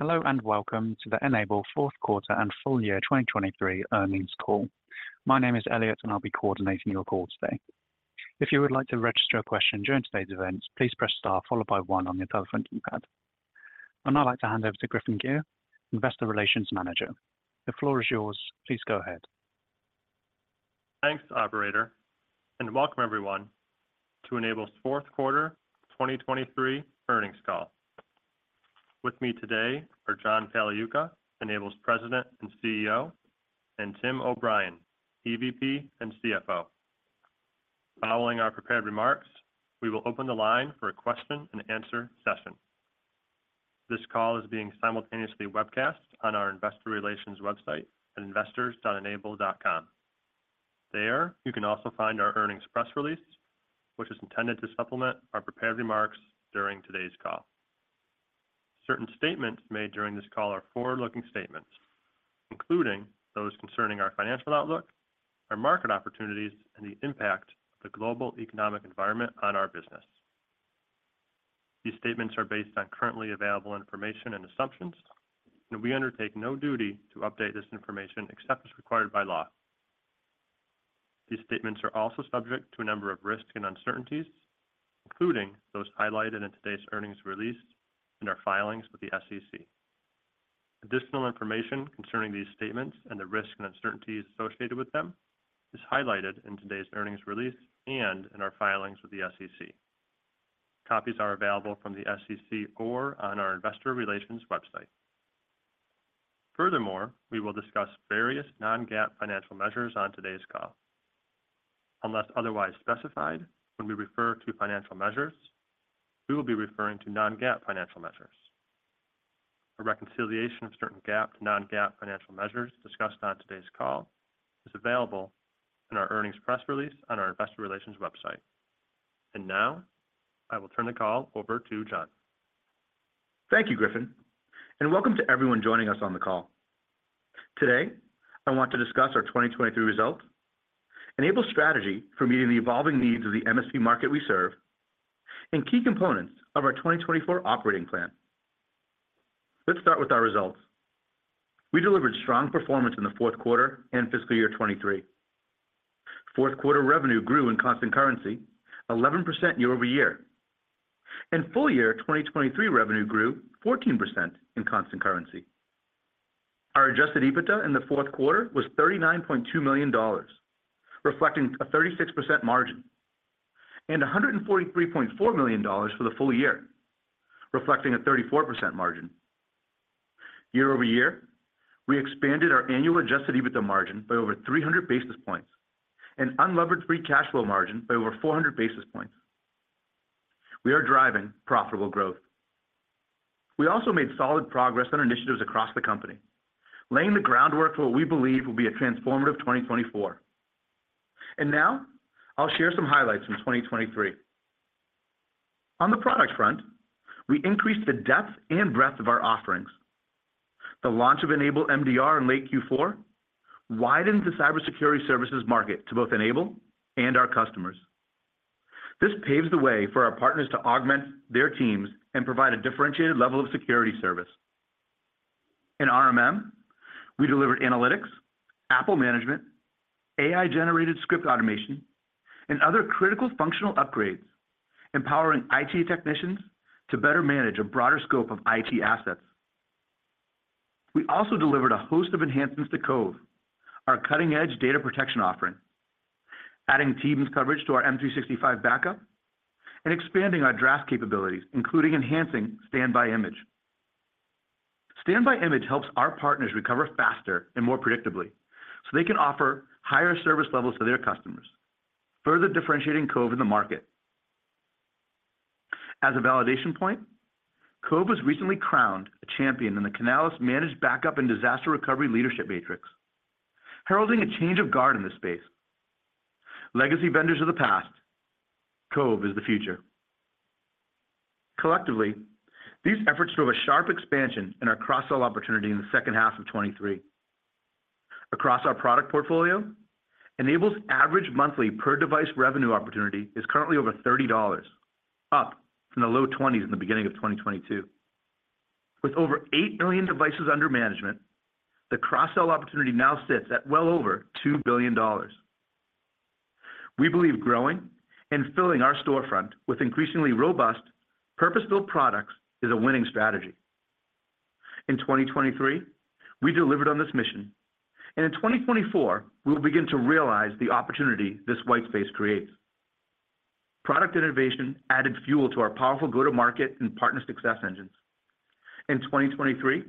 Hello, and Welcome to the N-able Q4 and Full Year 2023 Earnings Call. My name is Elliot, and I'll be coordinating your call today. If you would like to register a question during today's event, please press Star followed by one on your telephone keypad. I'd now like to hand over to Griffin Gyr, Investor Relations Manager. The floor is yours. Please go ahead. Thanks, operator, and welcome everyone to N-able's Q4 2023 Earnings Call. With me today are John Pagliuca, N-able's President and CEO, and Tim O'Brien, EVP and CFO. Following our prepared remarks, we will open the line for a question and answer session. This call is being simultaneously webcast on our investor relations website at investors.n-able.com. There, you can also find our earnings press release, which is intended to supplement our prepared remarks during today's call. Certain statements made during this call are forward-looking statements, including those concerning our financial outlook, our market opportunities, and the impact of the global economic environment on our business. These statements are based on currently available information and assumptions, and we undertake no duty to update this information except as required by law. These statements are also subject to a number of risks and uncertainties, including those highlighted in today's earnings release and our filings with the SEC. Additional information concerning these statements and the risks and uncertainties associated with them is highlighted in today's earnings release and in our filings with the SEC. Copies are available from the SEC or on our investor relations website. Furthermore, we will discuss various non-GAAP financial measures on today's call. Unless otherwise specified, when we refer to financial measures, we will be referring to non-GAAP financial measures. A reconciliation of certain GAAP to non-GAAP financial measures discussed on today's call is available in our earnings press release on our investor relations website. Now, I will turn the call over to John. Thank you, Griffin, and welcome to everyone joining us on the call. Today, I want to discuss our 2023 results, N-able's strategy for meeting the evolving needs of the MSP market we serve, and key components of our 2024 operating plan. Let's start with our results. We delivered strong performance in the Q4 and fiscal year 2023. Q4 revenue grew in constant currency, 11% year-over-year, and full year 2023 revenue grew 14% in constant currency. Our Adjusted EBITDA in the Q4 was $39.2 million, reflecting a 36% margin, and $143.4 million for the full year, reflecting a 34% margin. year-over-year, we expanded our annual Adjusted EBITDA margin by over 300 basis points and unlevered free cash flow margin by over 400 basis points. We are driving profitable growth. We also made solid progress on initiatives across the company, laying the groundwork for what we believe will be a transformative 2024. Now, I'll share some highlights from 2023. On the product front, we increased the depth and breadth of our offerings. The launch of N-able MDR in late Q4 widened the cybersecurity services market to both N-able and our customers. This paves the way for our partners to augment their teams and provide a differentiated level of security service. In RMM, we delivered analytics, Apple management, AI-generated script automation, and other critical functional upgrades, empowering IT technicians to better manage a broader scope of IT assets. We also delivered a host of enhancements to Cove, our cutting-edge data protection offering, adding Teams coverage to our M365 Backup and expanding our draft capabilities, including enhancing Standby Image. Standby Image helps our partners recover faster and more predictably, so they can offer higher service levels to their customers, further differentiating Cove in the market. As a validation point, Cove was recently crowned a champion in the Canalys Managed Backup and Disaster Recovery Leadership Matrix, heralding a change of guard in this space. Legacy vendors are the past, Cove is the future. Collectively, these efforts drove a sharp expansion in our cross-sell opportunity in the second half of 2023. Across our product portfolio, N-able's average monthly per-device revenue opportunity is currently over $30, up from the low $20s in the beginning of 2022. With over 8 billion devices under management, the cross-sell opportunity now sits at well over $2 billion. We believe growing and filling our storefront with increasingly robust, purpose-built products is a winning strategy. In 2023, we delivered on this mission, and in 2024, we will begin to realize the opportunity this white space creates. Product innovation added fuel to our powerful go-to-market and partner success engines. In 2023,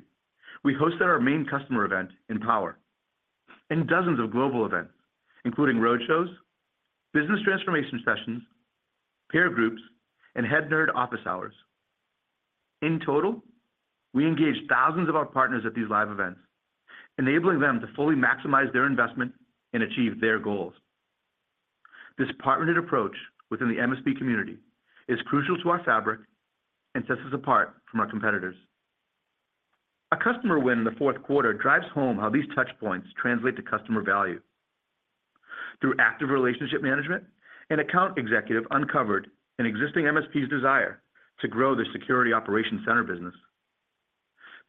we hosted our main customer event Empower and dozens of global events, including roadshows, business transformation sessions, peer groups, and Head Nerd office hours. In total, we engaged thousands of our partners at these live events, enabling them to fully maximize their investment and achieve their goals. This partnered approach within the MSP community is crucial to our fabric and sets us apart from our competitors. A customer win in the Q4 drives home how these touchpoints translate to customer value. Through active relationship management, an account executive uncovered an existing MSP's desire to grow their security operations center business.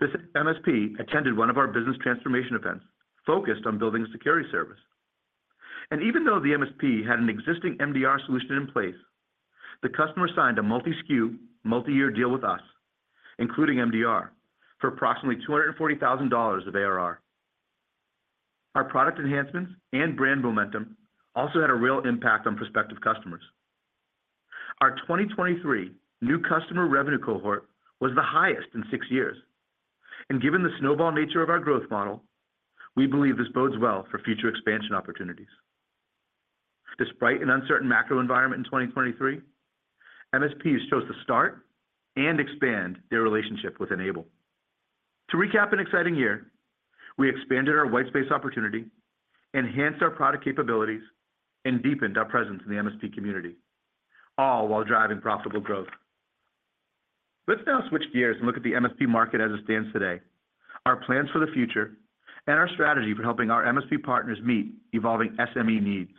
This MSP attended one of our business transformation events focused on building a security service, and even though the MSP had an existing MDR solution in place, the customer signed a multi-SKU, multi-year deal with us, including MDR, for approximately $240,000 of ARR. Our product enhancements and brand momentum also had a real impact on prospective customers. Our 2023 new customer revenue cohort was the highest in six years, and given the snowball nature of our growth model, we believe this bodes well for future expansion opportunities. Despite an uncertain macro environment in 2023, MSPs chose to start and expand their relationship with N-able. To recap an exciting year, we expanded our white space opportunity, enhanced our product capabilities, and deepened our presence in the MSP community, all while driving profitable growth. Let's now switch gears and look at the MSP market as it stands today, our plans for the future, and our strategy for helping our MSP partners meet evolving SME needs.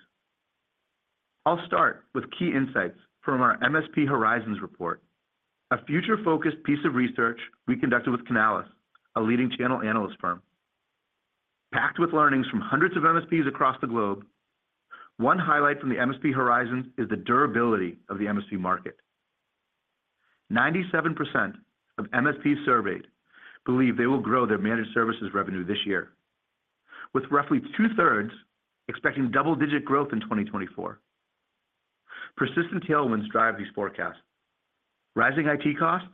I'll start with key insights from our MSP Horizons report, a future-focused piece of research we conducted with Canalys, a leading channel analyst firm. Packed with learnings from hundreds of MSPs across the globe, one highlight from the MSP Horizon is the durability of the MSP market. 97% of MSPs surveyed believe they will grow their managed services revenue this year, with roughly two-thirds expecting double-digit growth in 2024. Persistent tailwinds drive these forecasts. Rising IT costs,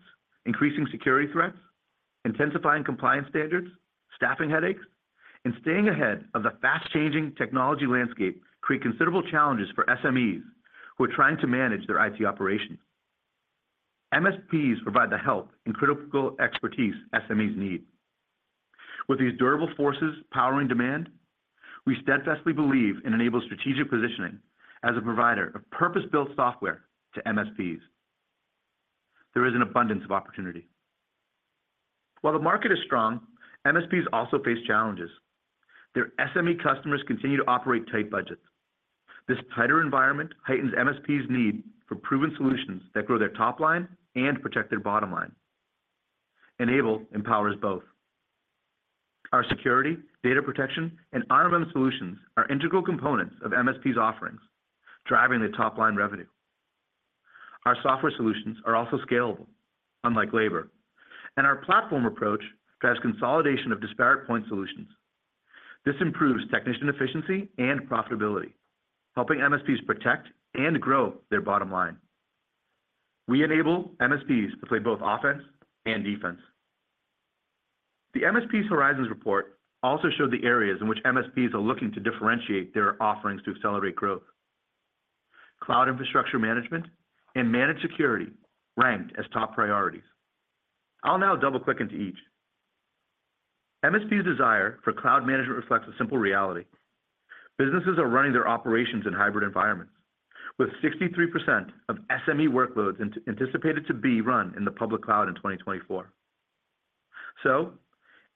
increasing security threats, intensifying compliance standards, staffing headaches, and staying ahead of the fast-changing technology landscape create considerable challenges for SMEs who are trying to manage their IT operations. MSPs provide the help and critical expertise SMEs need. With these durable forces powering demand, we steadfastly believe in N-able's strategic positioning as a provider of purpose-built software to MSPs. There is an abundance of opportunity. While the market is strong, MSPs also face challenges. Their SME customers continue to operate tight budgets. This tighter environment heightens MSPs' need for proven solutions that grow their top line and protect their bottom line. N-able empowers both. Our security, data protection, and RMM solutions are integral components of MSPs' offerings, driving the top-line revenue. Our software solutions are also scalable, unlike labor, and our platform approach drives consolidation of disparate point solutions. This improves technician efficiency and profitability, helping MSPs protect and grow their bottom line. We enable MSPs to play both offense and defense. The MSP Horizons report also showed the areas in which MSPs are looking to differentiate their offerings to accelerate growth. Cloud infrastructure management and managed security ranked as top priorities. I'll now double-click into each. MSPs' desire for cloud management reflects a simple reality. Businesses are running their operations in hybrid environments, with 63% of SME workloads anticipated to be run in the public cloud in 2024. So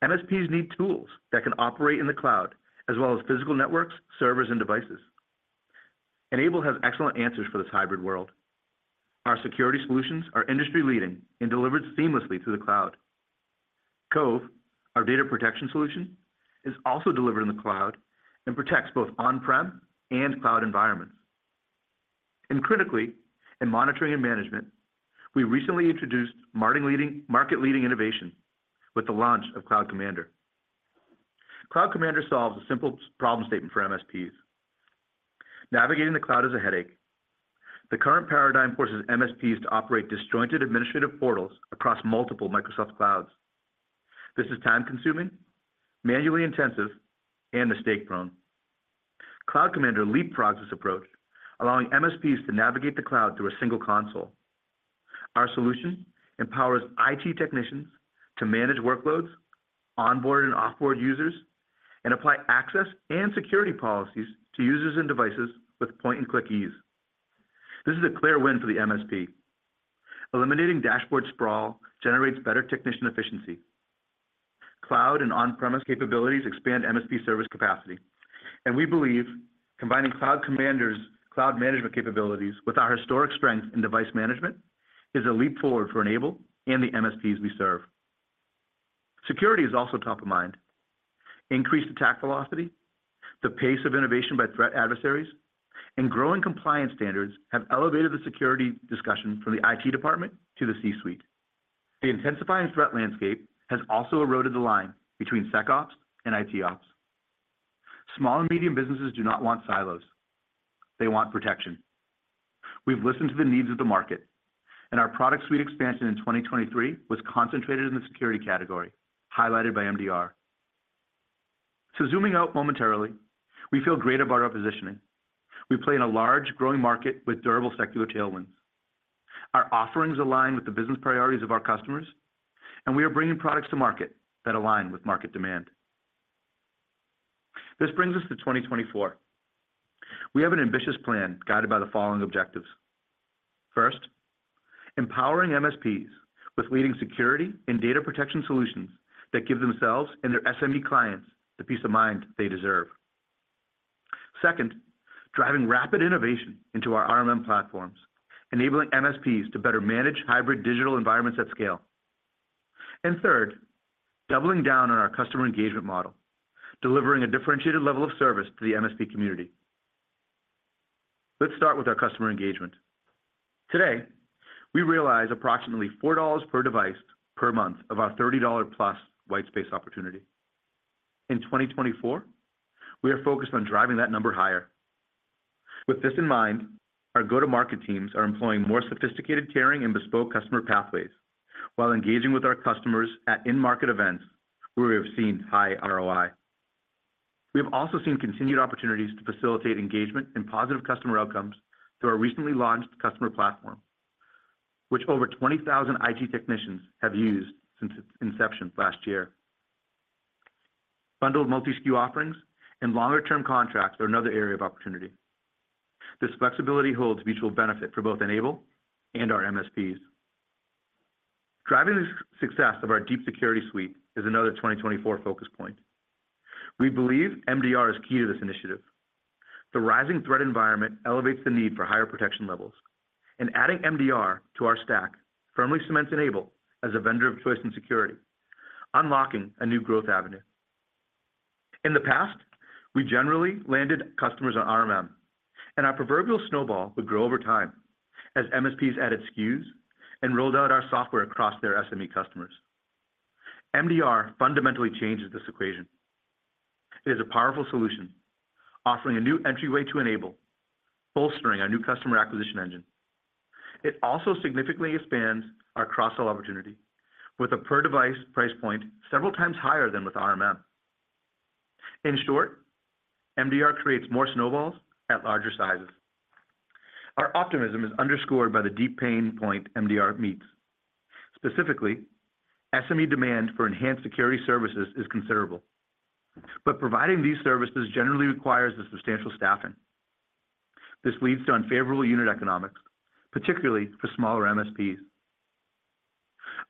MSPs need tools that can operate in the cloud as well as physical networks, servers, and devices. N-able has excellent answers for this hybrid world. Our security solutions are industry-leading and delivered seamlessly to the cloud. Cove, our data protection solution, is also delivered in the cloud and protects both on-prem and cloud environments. Critically, in monitoring and management, we recently introduced market-leading innovation with the launch of Cloud Commander. Cloud Commander solves a simple problem statement for MSPs. Navigating the cloud is a headache. The current paradigm forces MSPs to operate disjointed administrative portals across multiple Microsoft clouds. This is time-consuming, manually intensive, and mistake-prone. Cloud Commander leapfrogs this approach, allowing MSPs to navigate the cloud through a single console. Our solution empowers IT technicians to manage workloads, onboard and off-board users, and apply access and security policies to users and devices with point-and-click ease. This is a clear win for the MSP. Eliminating dashboard sprawl generates better technician efficiency. Cloud and on-premise capabilities expand MSP service capacity, and we believe combining Cloud Commander's cloud management capabilities with our historic strength in device management is a leap forward for N-able and the MSPs we serve. Security is also top of mind. Increased attack velocity, the pace of innovation by threat adversaries, and growing compliance standards have elevated the security discussion from the IT department to the C-suite. The intensifying threat landscape has also eroded the line between SecOps and ITOps. Small and medium businesses do not want silos. They want protection. We've listened to the needs of the market, and our product suite expansion in 2023 was concentrated in the security category, highlighted by MDR. So zooming out momentarily, we feel great about our positioning. We play in a large, growing market with durable secular tailwinds. Our offerings align with the business priorities of our customers, and we are bringing products to market that align with market demand. This brings us to 2024. We have an ambitious plan guided by the following objectives... First, empowering MSPs with leading security and data protection solutions that give themselves and their SME clients the peace of mind they deserve. Second, driving rapid innovation into our RMM platforms, enabling MSPs to better manage hybrid digital environments at scale. And third, doubling down on our customer engagement model, delivering a differentiated level of service to the MSP community. Let's start with our customer engagement. Today, we realize approximately $4 per device per month of our $30+ whitespace opportunity. In 2024, we are focused on driving that number higher. With this in mind, our go-to-market teams are employing more sophisticated, caring, and bespoke customer pathways, while engaging with our customers at in-market events where we have seen high ROI. We have also seen continued opportunities to facilitate engagement and positive customer outcomes through our recently launched customer platform, which over 20,000 IT technicians have used since its inception last year. Bundled multi-SKU offerings and longer-term contracts are another area of opportunity. This flexibility holds mutual benefit for both N-able and our MSPs. Driving the success of our deep security suite is another 2024 focus point. We believe MDR is key to this initiative. The rising threat environment elevates the need for higher protection levels, and adding MDR to our stack firmly cements N-able as a vendor of choice and security, unlocking a new growth avenue. In the past, we generally landed customers on RMM, and our proverbial snowball would grow over time as MSPs added SKUs and rolled out our software across their SME customers. MDR fundamentally changes this equation. It is a powerful solution, offering a new entryway to N-able, bolstering our new customer acquisition engine. It also significantly expands our cross-sell opportunity with a per-device price point several times higher than with RMM. In short, MDR creates more snowballs at larger sizes. Our optimism is underscored by the deep pain point MDR meets. Specifically, SME demand for enhanced security services is considerable, but providing these services generally requires a substantial staffing. This leads to unfavorable unit economics, particularly for smaller MSPs.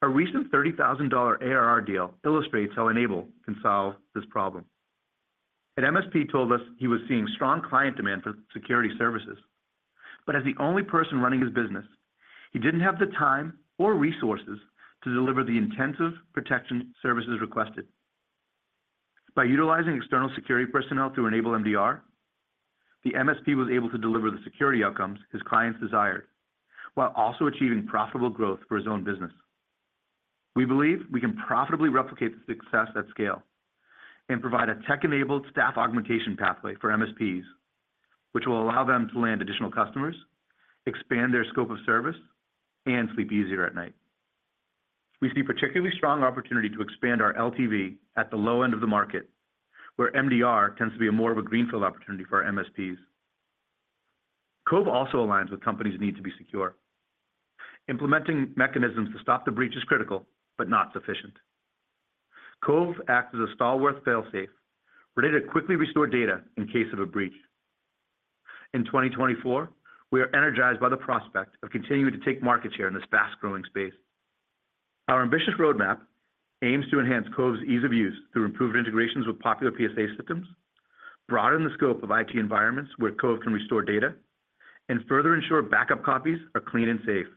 A recent $30,000 ARR deal illustrates how N-able can solve this problem. An MSP told us he was seeing strong client demand for security services, but as the only person running his business, he didn't have the time or resources to deliver the intensive protection services requested. By utilizing external security personnel through N-able MDR, the MSP was able to deliver the security outcomes his clients desired, while also achieving profitable growth for his own business. We believe we can profitably replicate the success at scale, and provide a tech-enabled staff augmentation pathway for MSPs, which will allow them to land additional customers, expand their scope of service, and sleep easier at night. We see particularly strong opportunity to expand our LTV at the low end of the market, where MDR tends to be more of a greenfield opportunity for our MSPs. Cove also aligns with companies' need to be secure. Implementing mechanisms to stop the breach is critical, but not sufficient. Cove acts as a stalwart fail-safe, ready to quickly restore data in case of a breach. In 2024, we are energized by the prospect of continuing to take market share in this fast-growing space. Our ambitious roadmap aims to enhance Cove's ease of use through improved integrations with popular PSA systems, broaden the scope of IT environments where Cove can restore data, and further ensure backup copies are clean and safe.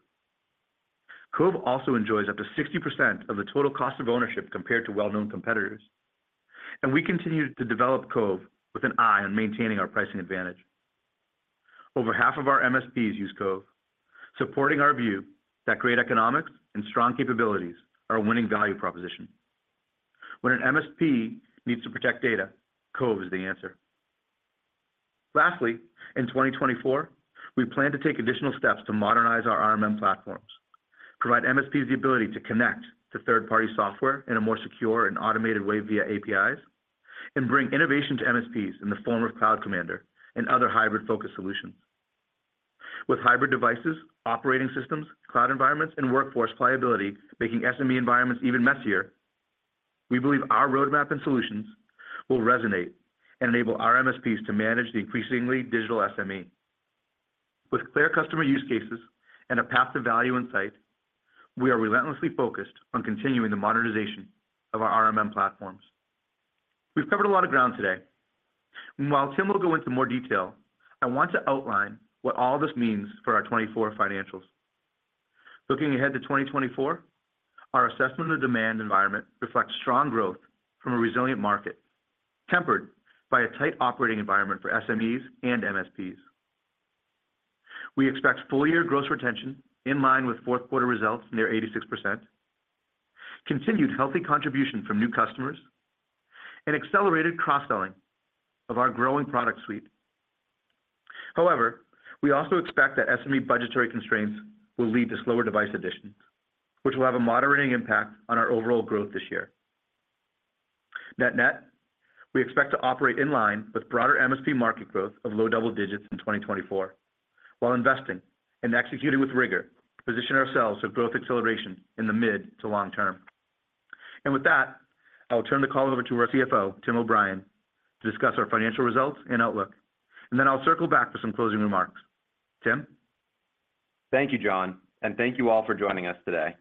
Cove also enjoys up to 60% of the total cost of ownership compared to well-known competitors, and we continue to develop Cove with an eye on maintaining our pricing advantage. Over half of our MSPs use Cove, supporting our view that great economics and strong capabilities are a winning value proposition. When an MSP needs to protect data, Cove is the answer. Lastly, in 2024, we plan to take additional steps to modernize our RMM platforms, provide MSPs the ability to connect to third-party software in a more secure and automated way via APIs, and bring innovation to MSPs in the form of Cloud Commander and other hybrid-focused solutions. With hybrid devices, operating systems, cloud environments, and workforce pliability, making SME environments even messier, we believe our roadmap and solutions will resonate and enable our MSPs to manage the increasingly digital SME. With clear customer use cases and a path to value in sight, we are relentlessly focused on continuing the modernization of our RMM platforms. We've covered a lot of ground today, and while Tim will go into more detail, I want to outline what all this means for our 2024 financials. Looking ahead to 2024, our assessment of the demand environment reflects strong growth from a resilient market, tempered by a tight operating environment for SMEs and MSPs. We expect full-year gross retention in line with Q4 results, near 86%, continued healthy contribution from new customers, and accelerated cross-selling of our growing product suite. However, we also expect that SME budgetary constraints will lead to slower device additions, which will have a moderating impact on our overall growth this year. Net net, we expect to operate in line with broader MSP market growth of low double digits in 2024, while investing and executing with rigor to position ourselves for growth acceleration in the mid- to long-term. With that, I'll turn the call over to our CFO, Tim O'Brien, to discuss our financial results and outlook. Then I'll circle back for some closing remarks. Tim? Thank you, John, and thank you all for joining us today.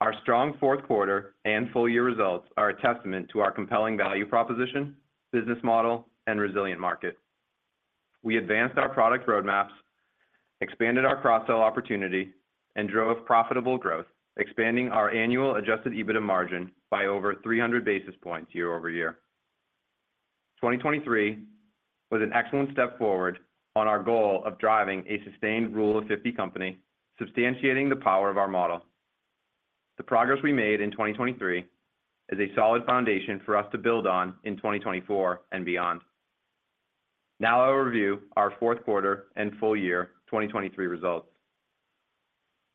Our strong Q4 and full year results are a testament to our compelling value proposition, business model, and resilient market. We advanced our product roadmaps, expanded our cross-sell opportunity, and drove profitable growth, expanding our annual adjusted EBITDA margin by over 300 basis points year-over-year. 2023 was an excellent step forward on our goal of driving a sustained Rule of Fifty company, substantiating the power of our model. The progress we made in 2023 is a solid foundation for us to build on in 2024 and beyond. Now I'll review our Q4 and full year 2023 results.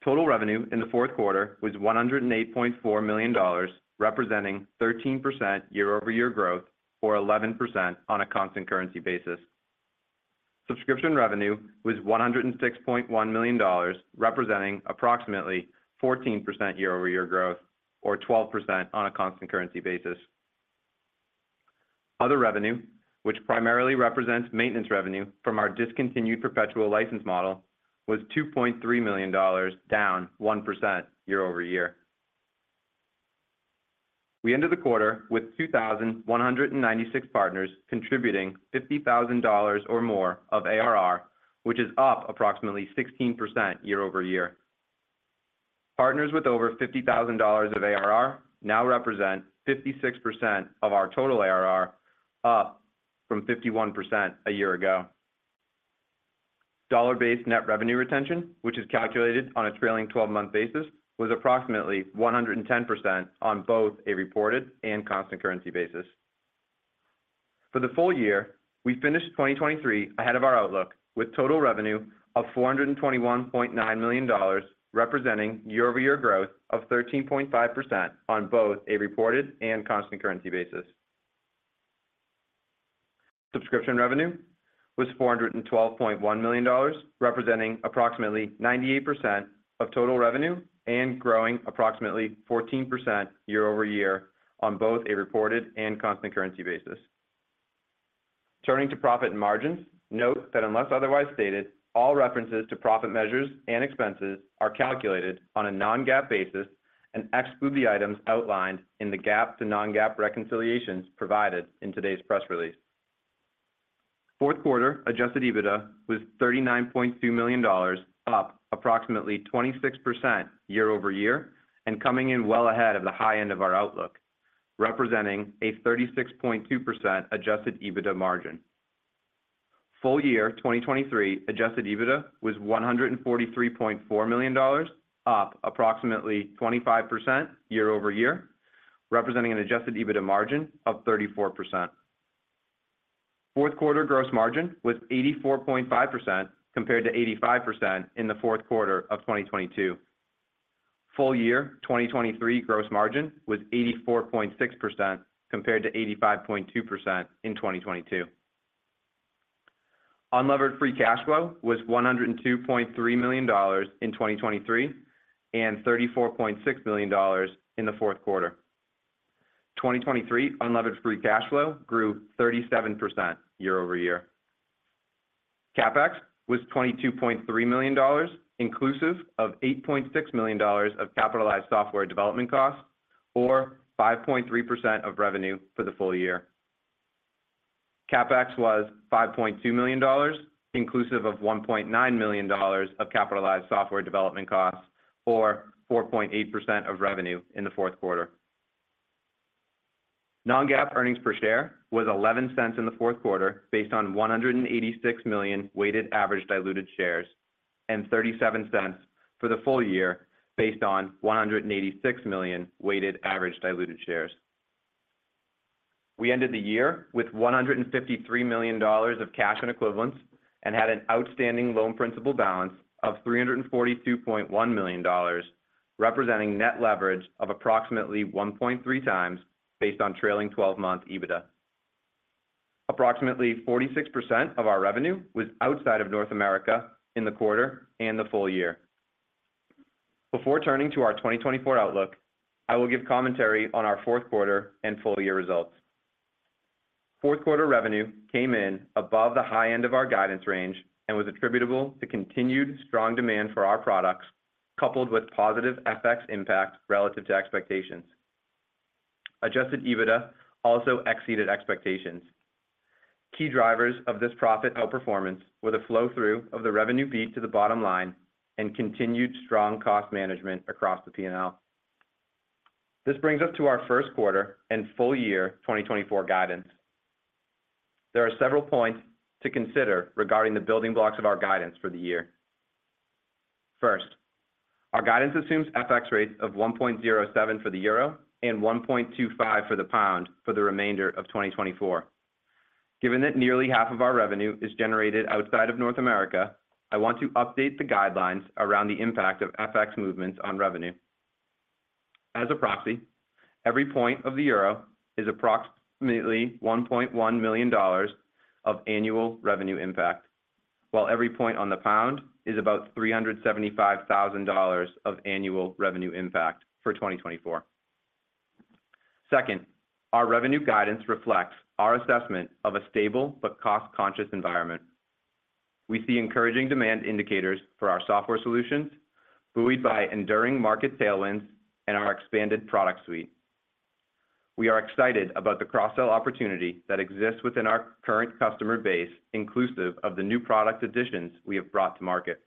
Total revenue in the Q4 was $108.4 million, representing 13% year-over-year growth, or 11% on a constant currency basis. Subscription revenue was $106.1 million, representing approximately 14% year-over-year growth, or 12% on a constant currency basis. Other revenue, which primarily represents maintenance revenue from our discontinued perpetual license model, was $2.3 million, down 1% year-over-year. We ended the quarter with 2,196 partners contributing $50,000 or more of ARR, which is up approximately 16% year-over-year. Partners with over $50,000 of ARR now represent 56% of our total ARR, up from 51% a year ago. Dollar-based net revenue retention, which is calculated on a trailing twelve-month basis, was approximately 110% on both a reported and constant currency basis. For the full year, we finished 2023 ahead of our outlook, with total revenue of $421.9 million, representing year-over-year growth of 13.5% on both a reported and constant currency basis. Subscription revenue was $412.1 million, representing approximately 98% of total revenue and growing approximately 14% year-over-year on both a reported and constant currency basis. Turning to profit and margins, note that unless otherwise stated, all references to profit measures and expenses are calculated on a non-GAAP basis and exclude the items outlined in the GAAP to non-GAAP reconciliations provided in today's press release. Q4 Adjusted EBITDA was $39.2 million, up approximately 26% year-over-year, and coming in well ahead of the high end of our outlook, representing a 36.2% Adjusted EBITDA margin. Full year 2023 Adjusted EBITDA was $143.4 million, up approximately 25% year-over-year, representing an Adjusted EBITDA margin of 34%. Q4 gross margin was 84.5%, compared to 85% in the Q4 of 2022. Full year 2023 gross margin was 84.6%, compared to 85.2% in 2022. Unlevered Free Cash Flow was $102.3 million in 2023, and $34.6 million in the Q4. 2023 Unlevered Free Cash Flow grew 37% year-over-year. CapEx was $22.3 million, inclusive of $8.6 million of capitalized software development costs, or 5.3% of revenue for the full year. CapEx was $5.2 million, inclusive of $1.9 million of capitalized software development costs, or 4.8% of revenue in the Q4. Non-GAAP earnings per share was $0.11 in the Q4, based on 186 million weighted average diluted shares, and $0.37 for the full year, based on 186 million weighted average diluted shares. We ended the year with $153 million of cash and equivalents and had an outstanding loan principal balance of $342.1 million, representing net leverage of approximately 1.3 times, based on trailing twelve-month EBITDA. Approximately 46% of our revenue was outside of North America in the quarter and the full year. Before turning to our 2024 outlook, I will give commentary on our Q4 and full year results. Q4 revenue came in above the high end of our guidance range and was attributable to continued strong demand for our products, coupled with positive FX impact relative to expectations. Adjusted EBITDA also exceeded expectations. Key drivers of this profit outperformance were the flow-through of the revenue beat to the bottom line and continued strong cost management across the P&L. This brings us to our Q1 and full year 2024 guidance. There are several points to consider regarding the building blocks of our guidance for the year. First, our guidance assumes FX rates of 1.07 for the euro and 1.25 for the pound for the remainder of 2024. Given that nearly half of our revenue is generated outside of North America, I want to update the guidelines around the impact of FX movements on revenue. As a proxy, every point of the euro is approximately $1.1 million of annual revenue impact. While every point on the pound is about $375,000 of annual revenue impact for 2024. Second, our revenue guidance reflects our assessment of a stable but cost-conscious environment. We see encouraging demand indicators for our software solutions, buoyed by enduring market tailwinds and our expanded product suite. We are excited about the cross-sell opportunity that exists within our current customer base, inclusive of the new product additions we have brought to market.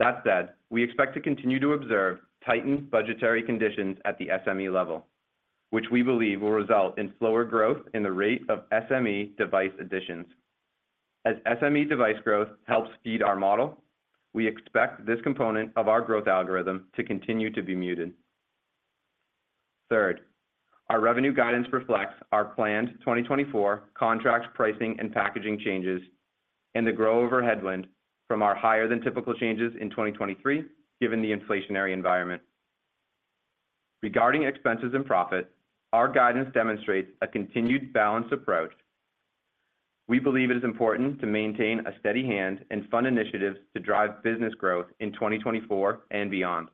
That said, we expect to continue to observe tightened budgetary conditions at the SME level, which we believe will result in slower growth in the rate of SME device additions. As SME device growth helps feed our model, we expect this component of our growth algorithm to continue to be muted. Third, our revenue guidance reflects our planned 2024 contracts, pricing, and packaging changes, and the growth-over headwind from our higher than typical changes in 2023, given the inflationary environment. Regarding expenses and profit, our guidance demonstrates a continued balanced approach. We believe it is important to maintain a steady hand and fund initiatives to drive business growth in 2024 and beyond.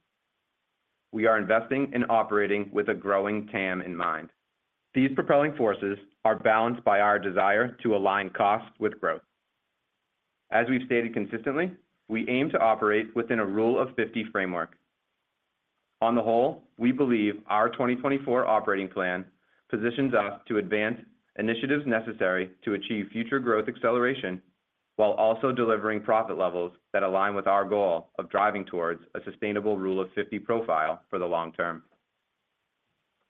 We are investing and operating with a growing TAM in mind. These propelling forces are balanced by our desire to align cost with growth. As we've stated consistently, we aim to operate within a Rule of Fifty framework. On the whole, we believe our 2024 operating plan positions us to advance initiatives necessary to achieve future growth acceleration, while also delivering profit levels that align with our goal of driving towards a sustainable Rule of Fifty profile for the long term.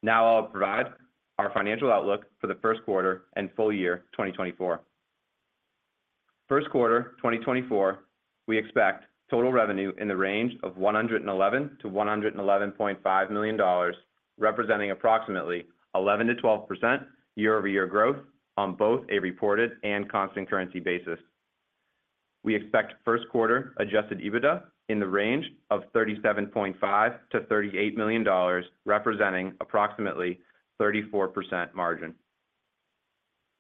Now I'll provide our financial outlook for the Q1 and full year 2024. Q1 2024, we expect total revenue in the range of $111-$111.5 million, representing approximately 11%-12% year-over-year growth on both a reported and constant currency basis. We expect Q1 Adjusted EBITDA in the range of $37.5 million-$38 million, representing approximately 34% margin.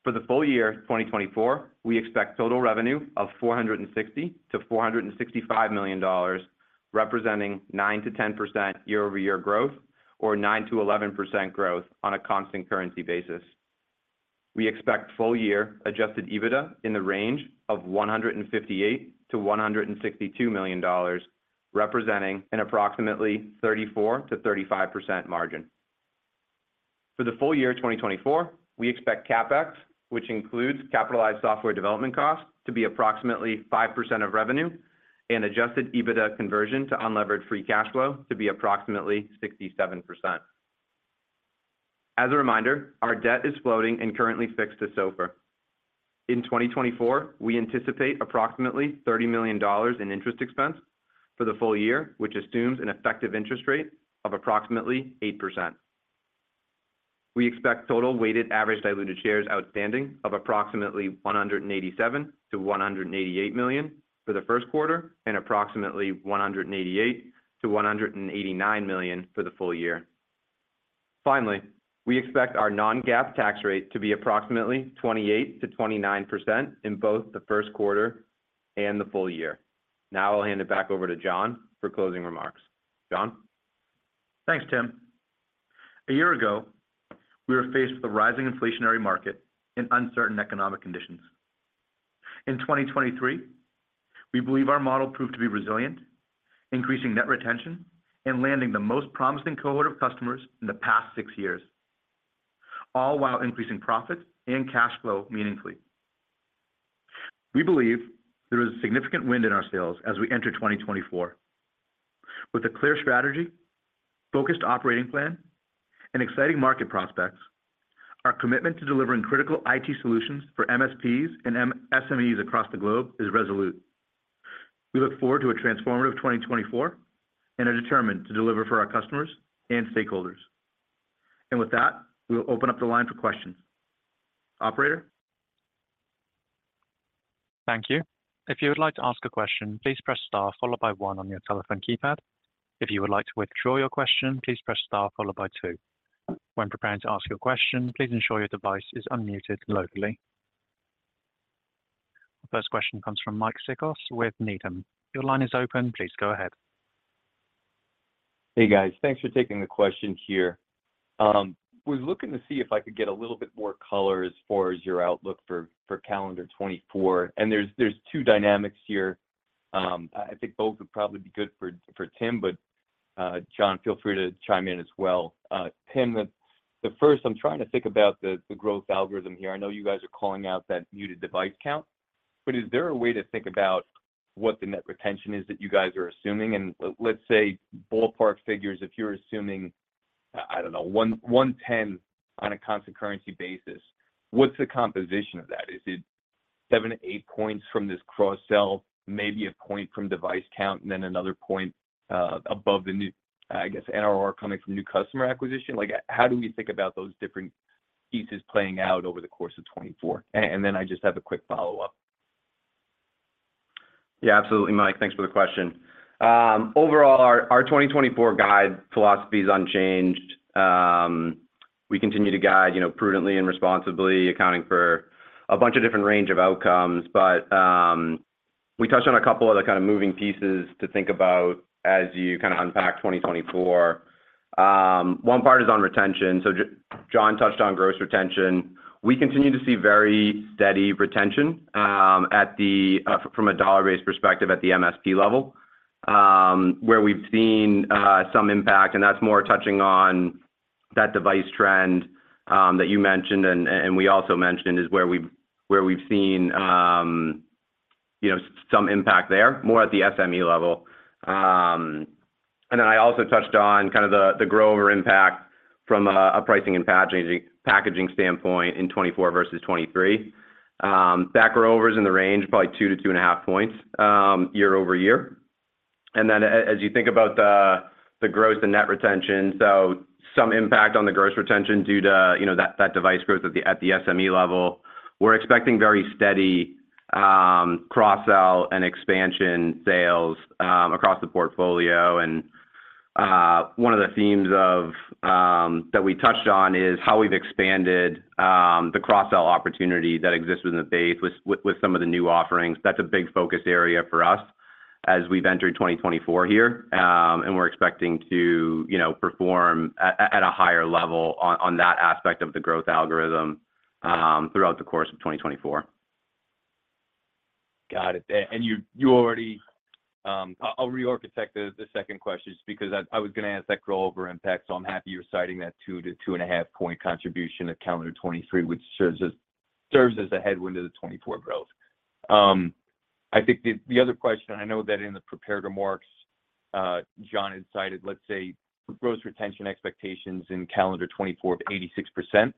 For the full year, 2024, we expect total revenue of $460 million-$465 million, representing 9%-10% year-over-year growth, or 9%-11% growth on a constant currency basis. We expect full year Adjusted EBITDA in the range of $158 million-$162 million, representing an approximately 34%-35% margin. For the full year, 2024, we expect CapEx, which includes capitalized software development costs, to be approximately 5% of revenue, and Adjusted EBITDA conversion to Unlevered Free Cash Flow to be approximately 67%. As a reminder, our debt is floating and currently fixed to SOFR. In 2024, we anticipate approximately $30 million in interest expense for the full year, which assumes an effective interest rate of approximately 8%. We expect total weighted average diluted shares outstanding of approximately $187 million-$188 million for the Q1, and approximately $188 million-$189 million for the full year. Finally, we expect our non-GAAP tax rate to be approximately 28%-29% in both the Q1 and the full year. Now I'll hand it back over to John for closing remarks. John? Thanks, Tim. A year ago, we were faced with a rising inflationary market and uncertain economic conditions. In 2023, we believe our model proved to be resilient, increasing net retention and landing the most promising cohort of customers in the past 6 years, all while increasing profits and cash flow meaningfully. We believe there is a significant wind in our sails as we enter 2024. With a clear strategy, focused operating plan, and exciting market prospects, our commitment to delivering critical IT solutions for MSPs and SMEs across the globe is resolute. We look forward to a transformative 2024 and are determined to deliver for our customers and stakeholders. And with that, we will open up the line for questions. Operator? Thank you. If you would like to ask a question, please press Star followed by one on your telephone keypad. If you would like to withdraw your question, please press Star followed by two. When preparing to ask your question, please ensure your device is unmuted locally. First question comes from Mike Cikos with Needham. Your line is open. Please go ahead. Hey, guys. Thanks for taking the question here. Was looking to see if I could get a little bit more color as far as your outlook for calendar 2024. And there's two dynamics here. I think both would probably be good for Tim, but John, feel free to chime in as well. Tim, the first I'm trying to think about the growth algorithm here. I know you guys are calling out that muted device count, but is there a way to think about what the net retention is that you guys are assuming? And let's say ballpark figures, if you're assuming, I don't know, 110 on a constant currency basis, what's the composition of that? Is it 7, 8 points from this cross sell, maybe a point from device count, and then another point above the new, I guess, NRR coming from new customer acquisition? Like, how do we think about those different pieces playing out over the course of 2024? And then I just have a quick follow-up.... Yeah, absolutely, Mike. Thanks for the question. Overall, our 2024 guide philosophy is unchanged. We continue to guide, you know, prudently and responsibly, accounting for a bunch of different range of outcomes. But we touched on a couple other kind of moving pieces to think about as you kind of unpack 2024. One part is on retention. So John touched on gross retention. We continue to see very steady retention from a dollar-based perspective at the MSP level, where we've seen some impact, and that's more touching on that device trend that you mentioned and we also mentioned is where we've seen, you know, some impact there, more at the SME level. And then I also touched on kind of the grow-over impact from a pricing and packaging standpoint in 2024 versus 2023. That grow-over's in the range, probably 2-2.5 points year-over-year. And then as you think about the growth and net retention, so some impact on the gross retention due to, you know, that device growth at the SME level. We're expecting very steady cross-sell and expansion sales across the portfolio. And one of the themes that we touched on is how we've expanded the cross-sell opportunity that exists within the base with some of the new offerings. That's a big focus area for us as we've entered 2024 here. We're expecting to, you know, perform at a higher level on that aspect of the growth algorithm, throughout the course of 2024. Got it. And you already. I'll rearchitect the second question, just because I was gonna ask that grow-over impact, so I'm happy you're citing that 2-2.5 point contribution of calendar 2023, which serves as a headwind to the 2024 growth. I think the other question, I know that in the prepared remarks, John had cited, let's say, gross retention expectations in calendar 2024 of 86%,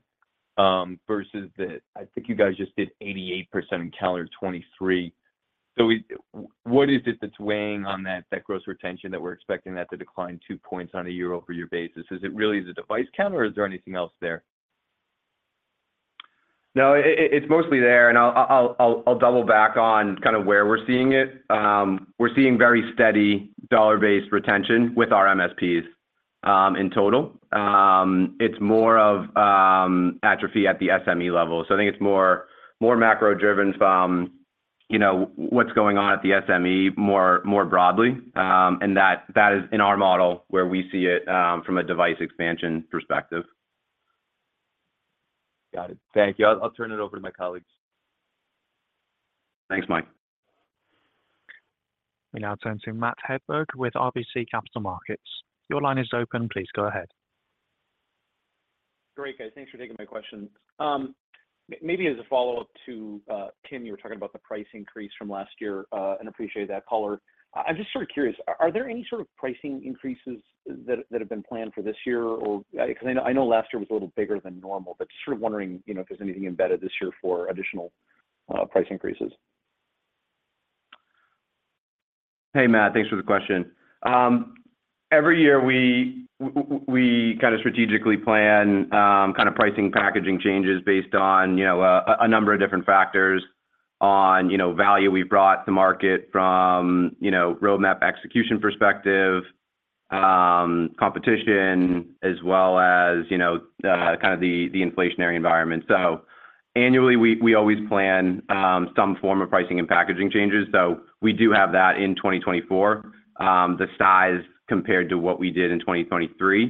versus the-- I think you guys just did 88% in calendar 2023. So what is it that's weighing on that gross retention that we're expecting to decline 2 points on a year-over-year basis? Is it really the device count, or is there anything else there? No, it's mostly there, and I'll double back on kind of where we're seeing it. We're seeing very steady dollar-based retention with our MSPs in total. It's more of atrophy at the SME level. So I think it's more macro-driven from, you know, what's going on at the SME more broadly. And that is in our model, where we see it from a device expansion perspective. Got it. Thank you. I'll turn it over to my colleagues. Thanks, Mike. We now turn to Matt Hedberg with RBC Capital Markets. Your line is open. Please go ahead. Great, guys. Thanks for taking my questions. Maybe as a follow-up to Tim, you were talking about the price increase from last year, and appreciate that color. I'm just sort of curious, are there any sort of pricing increases that have been planned for this year? Or, because I know, I know last year was a little bigger than normal, but sort of wondering, you know, if there's anything embedded this year for additional price increases. Hey, Matt. Thanks for the question. Every year, we kind of strategically plan kind of pricing, packaging changes based on, you know, a number of different factors on, you know, value we've brought to market from, you know, roadmap execution perspective, competition, as well as, you know, kind of the, the inflationary environment. So annually, we always plan some form of pricing and packaging changes. So we do have that in 2024. The size compared to what we did in 2023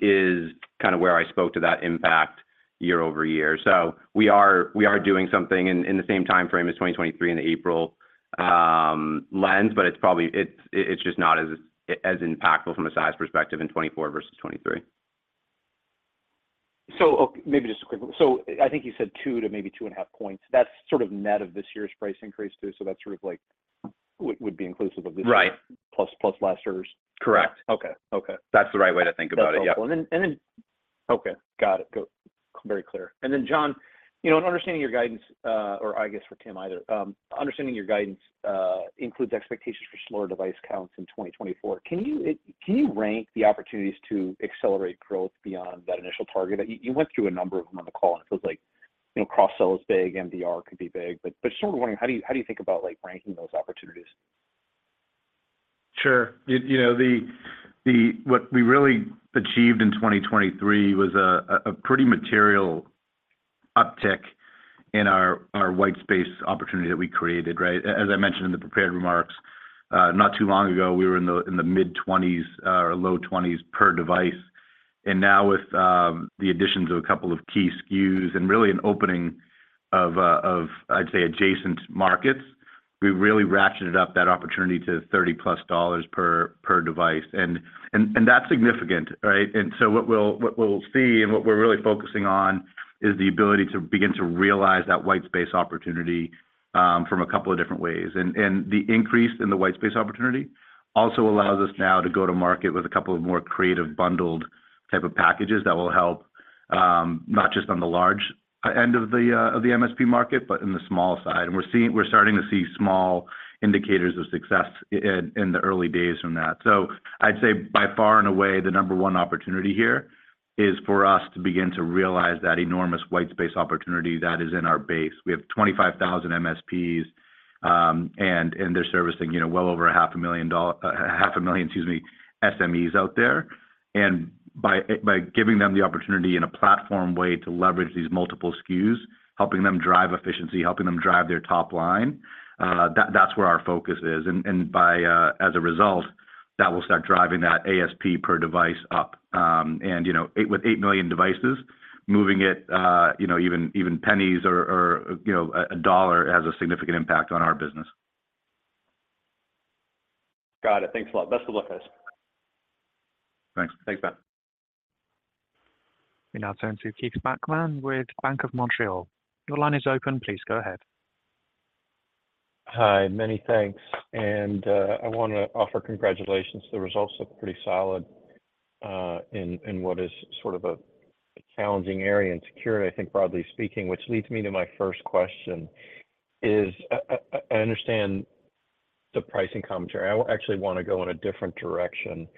is kind of where I spoke to that impact year-over-year. So we are doing something in the same time frame as 2023 in the April lens, but it's probably... It's just not as impactful from a size perspective in 2024 versus 2023. So, okay, maybe just a quick one. So I think you said 2 to maybe 2.5 points. That's sort of net of this year's price increase, too, so that's sort of like, would be inclusive of this- Right. Plus, plus last year's? Correct. Okay. Okay. That's the right way to think about it, yeah. That's helpful. And then... Okay, got it. Very clear. And then, John, you know, in understanding your guidance, or I guess for Tim either, understanding your guidance, includes expectations for slower device counts in 2024, can you rank the opportunities to accelerate growth beyond that initial target? You went through a number of them on the call, and it feels like, you know, cross-sell is big, MDR could be big. But just sort of wondering, how do you think about, like, ranking those opportunities? Sure. You know, what we really achieved in 2023 was a pretty material uptick in our white space opportunity that we created, right? As I mentioned in the prepared remarks, not too long ago, we were in the mid-20s or low 20s per device. And now with the additions of a couple of key SKUs and really an opening of, I'd say adjacent markets, we really ratcheted up that opportunity to $30+ per device. And that's significant, right? And so what we'll see, and what we're really focusing on is the ability to begin to realize that white space opportunity from a couple of different ways. The increase in the white space opportunity also allows us now to go to market with a couple of more creative, bundled type of packages that will help not just on the large end of the MSP market, but in the small side. We're starting to see small indicators of success in the early days from that. So I'd say, by far and away, the number one opportunity here is for us to begin to realize that enormous white space opportunity that is in our base. We have 25,000 MSPs, and they're servicing, you know, well over 500,000 SMEs out there. And by giving them the opportunity in a platform way to leverage these multiple SKUs, helping them drive efficiency, helping them drive their top line, that, that's where our focus is. And by as a result, that will start driving that ASP per device up. And, you know, with 8 million devices, moving it, you know, even pennies or, you know, a dollar, has a significant impact on our business. Got it. Thanks a lot. Best of luck, guys. Thanks. Thanks, Ben. We now turn to Keith Bachman with Bank of Montreal. Your line is open. Please go ahead. Hi, many thanks. And, I wanna offer congratulations. The results look pretty solid, in what is sort of a challenging area in security, I think, broadly speaking, which leads me to my first question. I understand the pricing commentary. I actually wanna go in a different direction.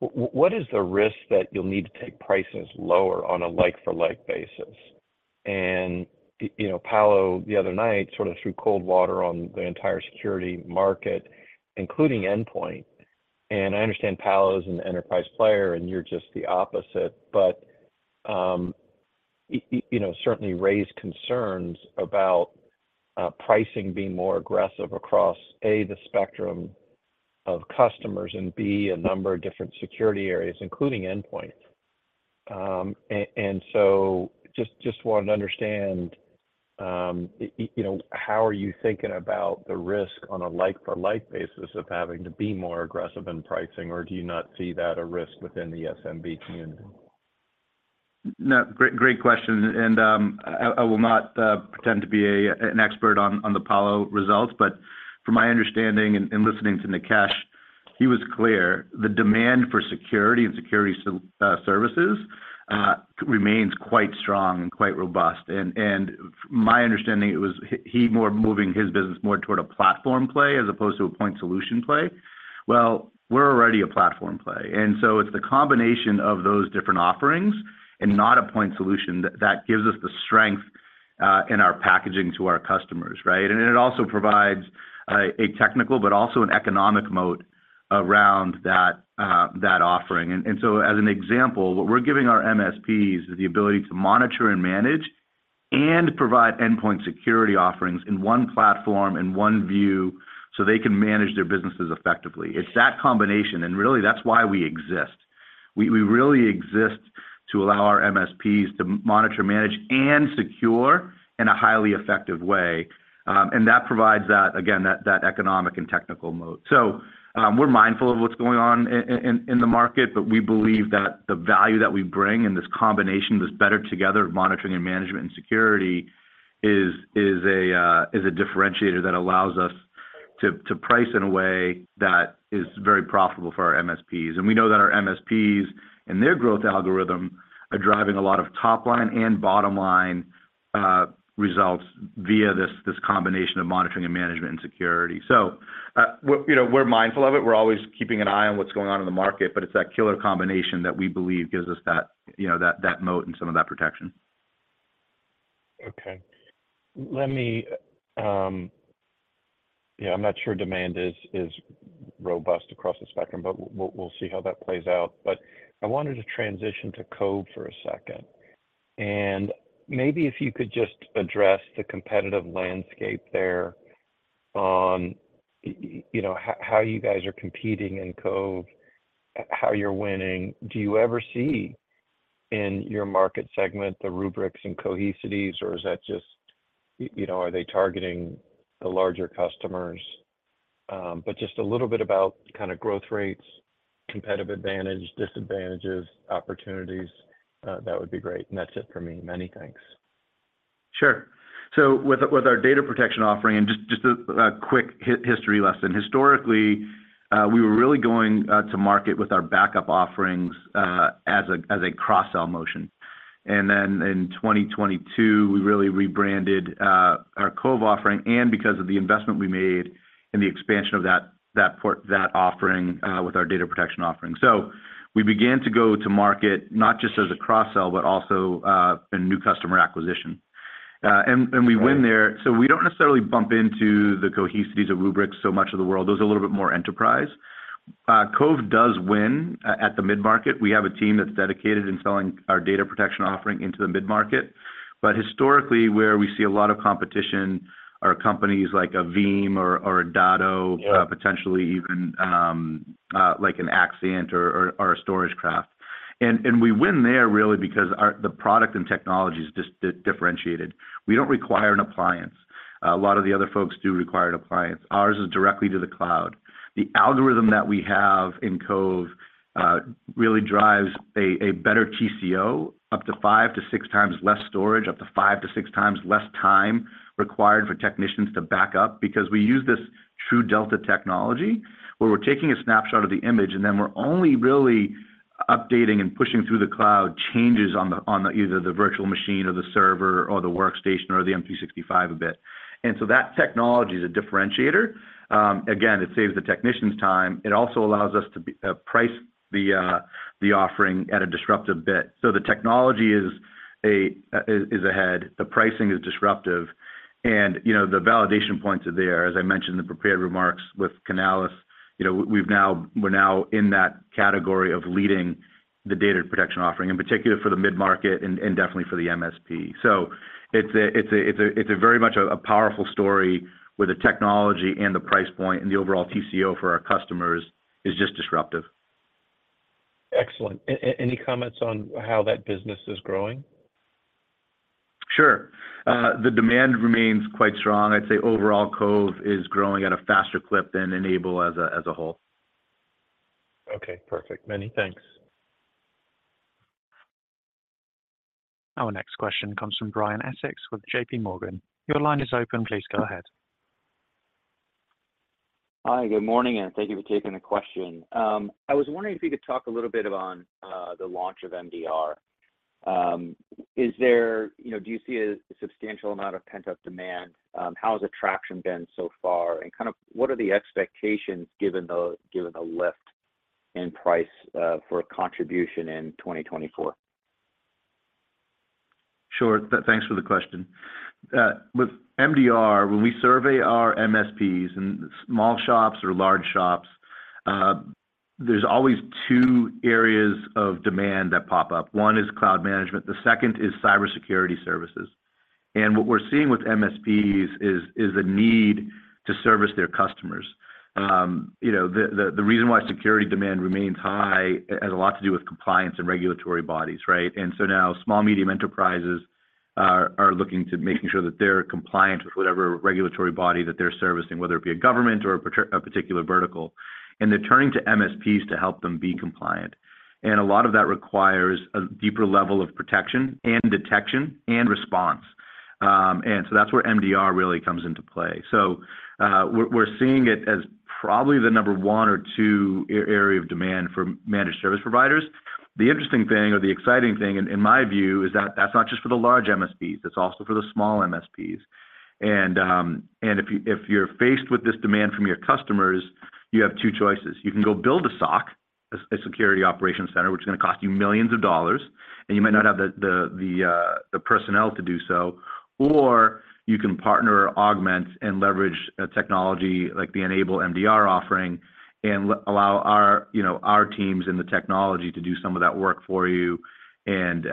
What is the risk that you'll need to take prices lower on a like for like basis? And, you know, Palo Alto, the other night, sort of threw cold water on the entire security market, including endpoint. And I understand Palo Alto is an enterprise player, and you're just the opposite, but, it, you know, certainly raised concerns about, pricing being more aggressive across, A, the spectrum of customers, and B, a number of different security areas, including endpoint. Just wanted to understand, you know, how are you thinking about the risk on a like for like basis of having to be more aggressive in pricing, or do you not see that a risk within the SMB community? No, great, great question, and, I, I will not, pretend to be a, an expert on, on the Palo results, but from my understanding and, and listening to Nikesh, he was clear, the demand for security and security services remains quite strong and quite robust. And, and my understanding, it was he more moving his business more toward a platform play as opposed to a point solution play. Well, we're already a platform play, and so it's the combination of those different offerings, and not a point solution, that, that gives us the strength, in our packaging to our customers, right? And it also provides, a technical, but also an economic moat around that, that offering. As an example, what we're giving our MSPs is the ability to monitor and manage, and provide endpoint security offerings in one platform, in one view, so they can manage their businesses effectively. It's that combination, and really, that's why we exist. We really exist to allow our MSPs to monitor, manage, and secure in a highly effective way, and that provides that, again, that economic and technical moat. We're mindful of what's going on in the market, but we believe that the value that we bring in this combination, this better together, monitoring and management and security, is a differentiator that allows us to price in a way that is very profitable for our MSPs. We know that our MSPs and their growth algorithm are driving a lot of top line and bottom line results via this combination of monitoring and management and security. So, we're, you know, we're mindful of it. We're always keeping an eye on what's going on in the market, but it's that killer combination that we believe gives us that, you know, that moat and some of that protection. Okay. Let me. Yeah, I'm not sure demand is robust across the spectrum, but we'll see how that plays out. But I wanted to transition to Cove for a second, and maybe if you could just address the competitive landscape there on, you know, how you guys are competing in Cove, how you're winning. Do you ever see in your market segment, the Rubrik and Cohesity, or is that just, you know, are they targeting the larger customers? But just a little bit about kind of growth rates, competitive advantage, disadvantages, opportunities, that would be great. And that's it for me. Many thanks. Sure. So with our data protection offering, and just a quick history lesson, historically, we were really going to market with our backup offerings as a cross-sell motion. And then in 2022, we really rebranded our Cove offering, and because of the investment we made and the expansion of that offering with our data protection offering. So we began to go to market, not just as a cross-sell, but also a new customer acquisition. And we win there- Right. So we don't necessarily bump into the Cohesity's or Rubrics so much of the world. Those are a little bit more enterprise. Cove does win at the mid-market. We have a team that's dedicated in selling our data protection offering into the mid-market, but historically, where we see a lot of competition are companies like a Veeam or, or a Datto- Yeah... potentially even, like an Axcient or a StorageCraft. We win there really because our product and technology is just differentiated. We don't require an appliance. A lot of the other folks do require an appliance. Ours is directly to the cloud. The algorithm that we have in Cove really drives a better TCO, up to 5-6 times less storage, up to 5-6 times less time required for technicians to back up, because we use this TrueDelta technology, where we're taking a snapshot of the image, and then we're only updating and pushing through the cloud changes on either the virtual machine or the server or the workstation or the M365 a bit. And so that technology is a differentiator. Again, it saves the technicians time. It also allows us to price the offering at a disruptive bit. So the technology is ahead, the pricing is disruptive, and, you know, the validation points are there. As I mentioned, the prepared remarks with Canalys, you know, we're now in that category of leading the data protection offering, in particular for the mid-market and definitely for the MSP. So it's a very much a powerful story where the technology and the price point and the overall TCO for our customers is just disruptive. Excellent. Any comments on how that business is growing? Sure. The demand remains quite strong. I'd say overall, Cove is growing at a faster clip than N-able as a whole. Okay, perfect. Many thanks. Our next question comes from Brian Essex with JPMorgan. Your line is open, please go ahead. Hi, good morning, and thank you for taking the question. I was wondering if you could talk a little bit on the launch of MDR. Is there—you know, do you see a substantial amount of pent-up demand? How has traction been so far, and kind of what are the expectations given the, given the lift in price for contribution in 2024? Sure. Thanks for the question. With MDR, when we survey our MSPs, and small shops or large shops, there's always two areas of demand that pop up. One is cloud management, the second is cybersecurity services. And what we're seeing with MSPs is the need to service their customers. You know, the reason why security demand remains high has a lot to do with compliance and regulatory bodies, right? And so now, small medium enterprises are looking to making sure that they're compliant with whatever regulatory body that they're servicing, whether it be a government or a particular vertical, and they're turning to MSPs to help them be compliant. And a lot of that requires a deeper level of protection and detection and response. And so that's where MDR really comes into play. So, we're seeing it as probably the number one or two area of demand for managed service providers. The interesting thing, or the exciting thing in my view, is that that's not just for the large MSPs, it's also for the small MSPs. If you're faced with this demand from your customers, you have two choices: You can go build a SOC, a security operations center, which is gonna cost you $ millions, and you might not have the personnel to do so, or you can partner, augment, and leverage a technology like the N-able MDR offering and allow our, you know, our teams and the technology to do some of that work for you, and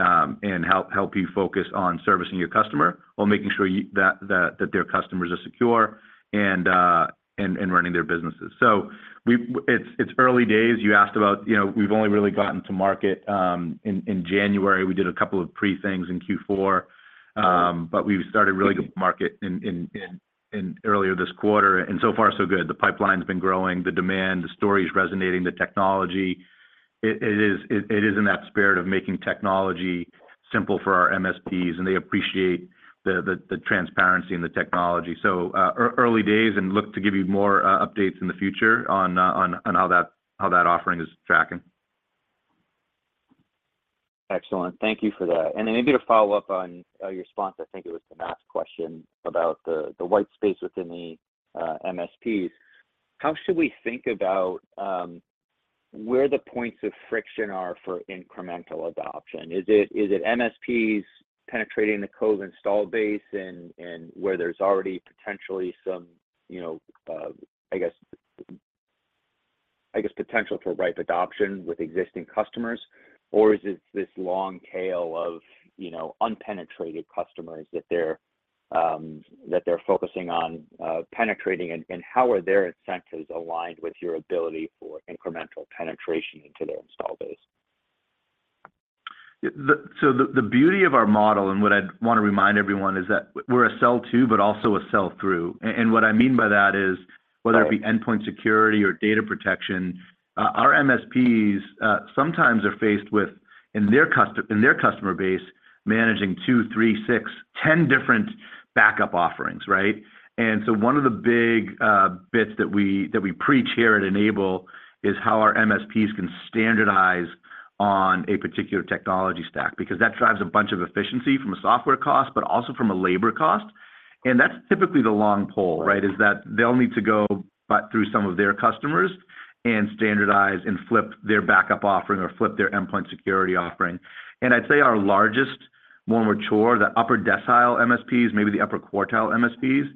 help you focus on servicing your customer while making sure you, that their customers are secure and running their businesses. So it's early days. You asked about... You know, we've only really gotten to market in January. We did a couple of pre-things in Q4, but we've started really to market in earlier this quarter, and so far, so good. The pipeline's been growing, the demand, the story is resonating, the technology. It is in that spirit of making technology simple for our MSPs, and they appreciate the transparency and the technology. So, early days, and look to give you more updates in the future on how that offering is tracking. Excellent. Thank you for that. And then maybe to follow up on, your response, I think it was to Matt's question about the, the white space within the, MSPs. How should we think about, where the points of friction are for incremental adoption? Is it, is it MSPs penetrating the Cove install base and, and where there's already potentially some, you know, I guess, I guess, potential for ripe adoption with existing customers, or is it this long tail of, you know, unpenetrated customers that they're, that they're focusing on, penetrating? And, and how are their incentives aligned with your ability for incremental penetration into their install base? So the beauty of our model, and what I'd want to remind everyone, is that we're a sell-to, but also a sell through. And what I mean by that is, whether- Right... it be endpoint security or data protection, our MSPs sometimes are faced with, in their customer base, managing 2, 3, 6, 10 different backup offerings, right? And so one of the big bits that we preach here at N-able is how our MSPs can standardize on a particular technology stack, because that drives a bunch of efficiency from a software cost, but also from a labor cost. And that's typically the long pole- Right... is that they'll need to go back through some of their customers and standardize and flip their backup offering or flip their endpoint security offering. And I'd say our largest, more mature, the upper decile MSPs, maybe the upper quartile MSPs,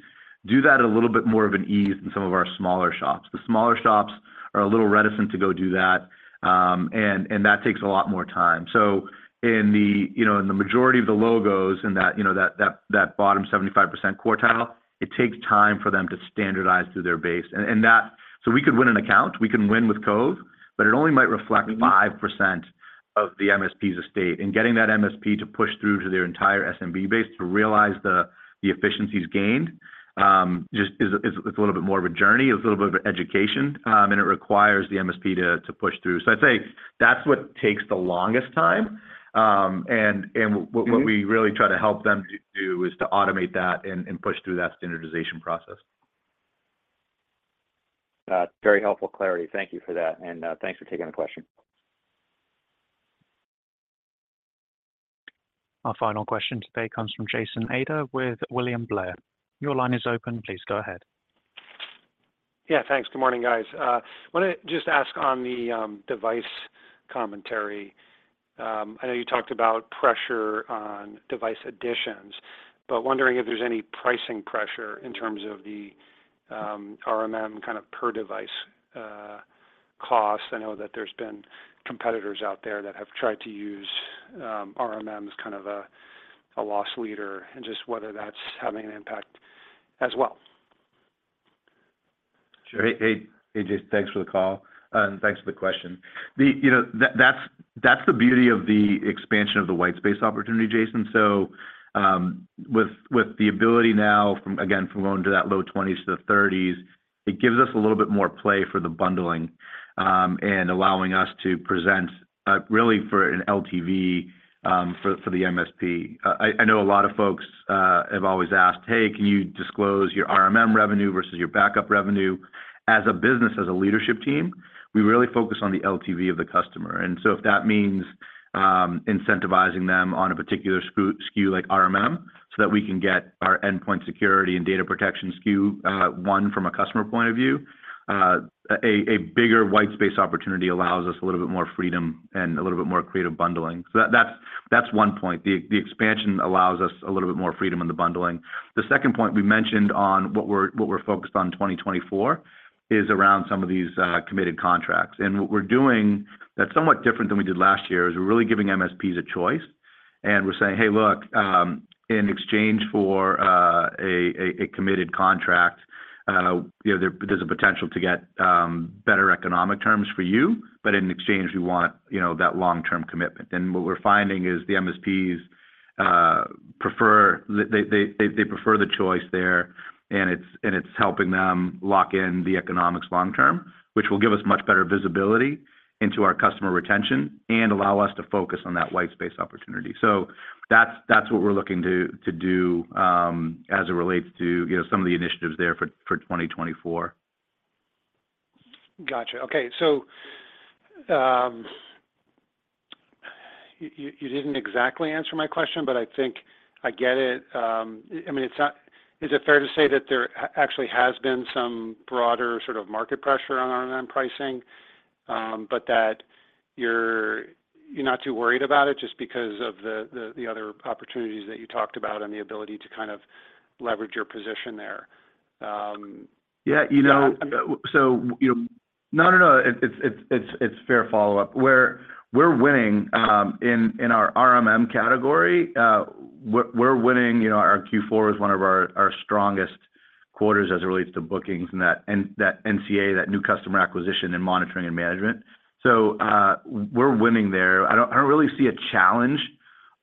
do that at a little bit more of an ease than some of our smaller shops. The smaller shops are a little reticent to go do that, and that takes a lot more time. So in the, you know, in the majority of the logos, in that, you know, that bottom 75% quartile, it takes time for them to standardize through their base. And that-- So we could win an account, we can win with Cove, but it only might reflect 5% of the MSP's estate. Getting that MSP to push through to their entire SMB base to realize the efficiencies gained, just, it's a little bit more of a journey, is a little bit of an education, and it requires the MSP to push through. So I'd say that's what takes the longest time. And what- Mm-hmm... what we really try to help them to do is to automate that and push through that standardization process.... Very helpful clarity. Thank you for that, and thanks for taking the question. Our final question today comes from Jason Ader with William Blair. Your line is open. Please go ahead. Yeah, thanks. Good morning, guys. Wanted to just ask on the device commentary. I know you talked about pressure on device additions, but wondering if there's any pricing pressure in terms of the RMM kind of per device cost. I know that there's been competitors out there that have tried to use RMM as kind of a loss leader, and just whether that's having an impact as well. Sure. Hey, hey, Jason. Thanks for the call, and thanks for the question. You know, that's the beauty of the expansion of the white space opportunity, Jason. So, with the ability now, from again, from going to that low 20s to the 30s, it gives us a little bit more play for the bundling, and allowing us to present really for an LTV for the MSP. I know a lot of folks have always asked, "Hey, can you disclose your RMM revenue versus your backup revenue?" As a business, as a leadership team, we really focus on the LTV of the customer, and so if that means incentivizing them on a particular SKU like RMM, so that we can get our endpoint security and data protection SKU, one, from a customer point of view, a bigger white space opportunity allows us a little bit more freedom and a little bit more creative bundling. So that's one point. The expansion allows us a little bit more freedom in the bundling. The second point we mentioned on what we're focused on 2024, is around some of these committed contracts. And what we're doing that's somewhat different than we did last year, is we're really giving MSPs a choice, and we're saying, "Hey, look, in exchange for a committed contract, you know, there's a potential to get better economic terms for you, but in exchange, we want, you know, that long-term commitment." And what we're finding is the MSPs prefer. They prefer the choice there, and it's helping them lock in the economics long term, which will give us much better visibility into our customer retention and allow us to focus on that white space opportunity. So that's what we're looking to do as it relates to, you know, some of the initiatives there for 2024. Gotcha. Okay, so you didn't exactly answer my question, but I think I get it. I mean, it's not. Is it fair to say that there actually has been some broader sort of market pressure on RMM pricing, but that you're not too worried about it just because of the other opportunities that you talked about and the ability to kind of leverage your position there? Yeah, you know, so, you know... No, no, no. It's a fair follow-up. We're winning in our RMM category. We're winning, you know, our Q4 is one of our strongest quarters as it relates to bookings and that NCA, that new customer acquisition in monitoring and management. So, we're winning there. I don't really see a challenge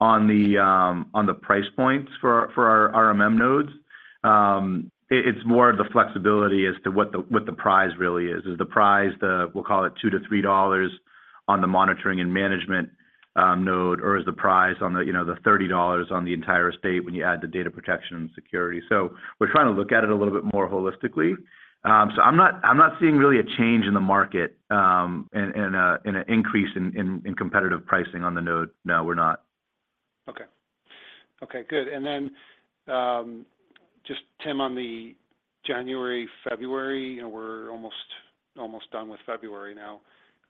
on the price points for our RMM nodes. It's more of the flexibility as to what the prize really is. Is the prize, we'll call it $2-$3 on the monitoring and management node, or is the prize on the, you know, the $30 on the entire estate when you add the data protection and security? So we're trying to look at it a little bit more holistically. So I'm not seeing really a change in the market, and an increase in competitive pricing on the node. No, we're not. Okay. Okay, good. And then, just Tim, on the January, February, you know, we're almost done with February now.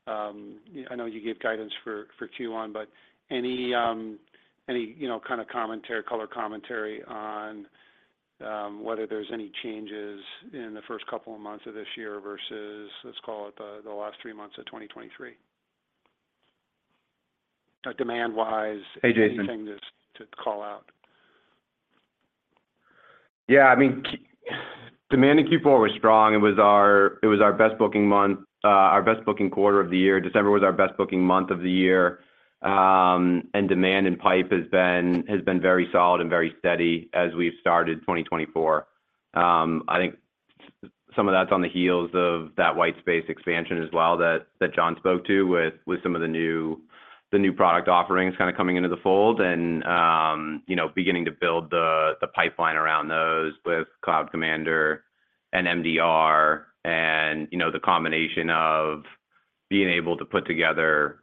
I know you gave guidance for Q1, but any, you know, kind of commentary, color commentary on whether there's any changes in the first couple of months of this year versus, let's call it, the last three months of 2023? Demand-wise- Hey, Jason... anything just to call out. Yeah, I mean, demand in Q4 was strong. It was our best booking month, our best booking quarter of the year. December was our best booking month of the year. And demand in pipe has been very solid and very steady as we've started 2024. I think some of that's on the heels of that white space expansion as well, that John spoke to, with some of the new product offerings kind of coming into the fold and, you know, beginning to build the pipeline around those with Cloud Commander and MDR, and, you know, the combination of being able to put together,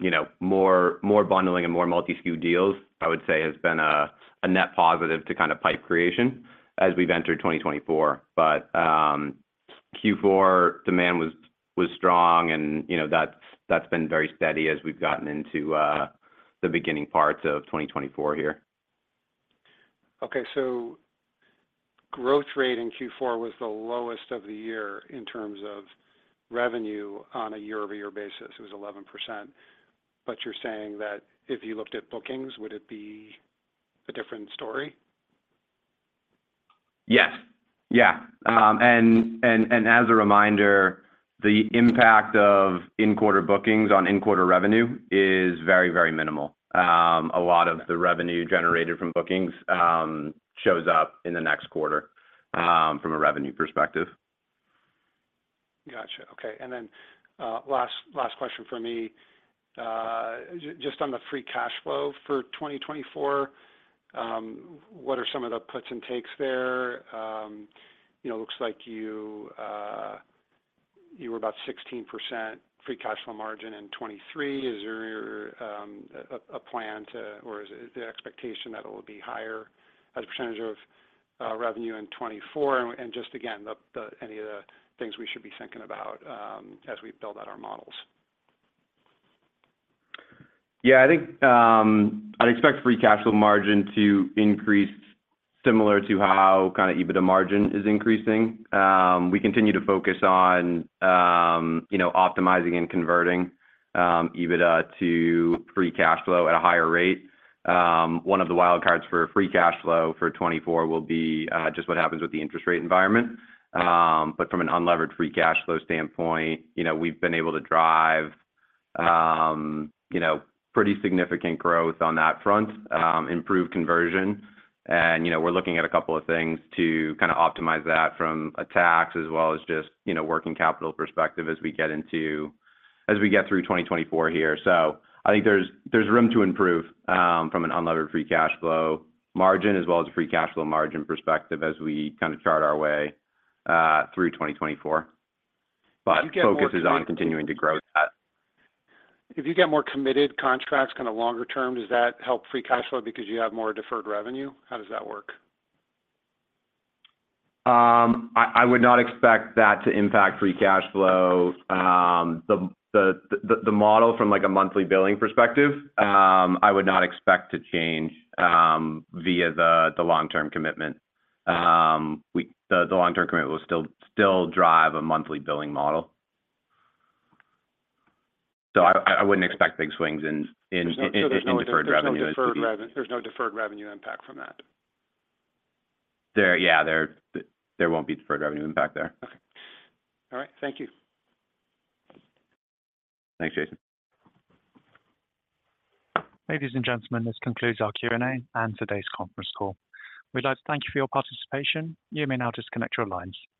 you know, more bundling and more multi SKU deals, I would say, has been a net positive to kind of pipe creation as we've entered 2024. But Q4 demand was strong, and you know, that's been very steady as we've gotten into the beginning parts of 2024 here. Okay, so growth rate in Q4 was the lowest of the year in terms of revenue on a year-over-year basis. It was 11%, but you're saying that if you looked at bookings, would it be a different story? Yes. Yeah. And as a reminder, the impact of in-quarter bookings on in-quarter revenue is very, very minimal. A lot of the revenue generated from bookings shows up in the next quarter, from a revenue perspective.... Gotcha. Okay, and then last question for me. Just on the free cash flow for 2024, what are some of the puts and takes there? You know, looks like you were about 16% free cash flow margin in 2023. Is there a plan to, or is it the expectation that it will be higher as a percentage of revenue in 2024? And just again, any of the things we should be thinking about as we build out our models. Yeah, I think I'd expect free cash flow margin to increase similar to how kind of EBITDA margin is increasing. We continue to focus on, you know, optimizing and converting EBITDA to free cash flow at a higher rate. One of the wild cards for free cash flow for 2024 will be just what happens with the interest rate environment. But from an unlevered free cash flow standpoint, you know, we've been able to drive, you know, pretty significant growth on that front, improved conversion. And, you know, we're looking at a couple of things to kind of optimize that from a tax as well as just, you know, working capital perspective as we get into - as we get through 2024 here. So I think there's room to improve from an Unlevered Free Cash Flow margin as well as a free cash flow margin perspective as we kind of chart our way through 2024. But the focus is on continuing to grow that. If you get more committed contracts, kind of longer term, does that help free cash flow because you have more deferred revenue? How does that work? I would not expect that to impact free cash flow. The model from, like, a monthly billing perspective, I would not expect to change via the long-term commitment. The long-term commitment will still drive a monthly billing model. So I wouldn't expect big swings in deferred revenue. There's no deferred revenue impact from that? Yeah, there won't be deferred revenue impact there. Okay. All right. Thank you. Thanks, Jason. Ladies and gentlemen, this concludes our Q&A and today's conference call. We'd like to thank you for your participation. You may now disconnect your lines.